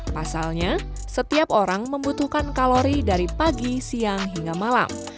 pasalnya setiap orang membutuhkan kalori dari pagi siang hingga malam